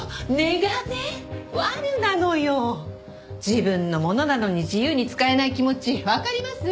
自分のものなのに自由に使えない気持ちわかります？